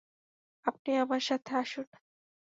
আপনি আমার সাথে আসুন।